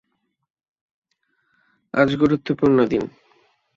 আজ গুরুত্বপূর্ন দিন।